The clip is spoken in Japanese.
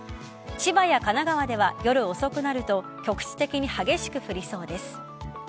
千葉や神奈川では夜遅くなると局地的に激しく降りそうです。